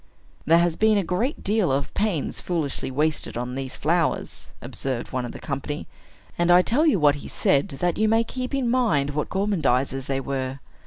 "There has been a great deal of pains foolishly wasted on these flowers," observed one of the company; and I tell you what he said, that you may keep in mind what gormandizers they were.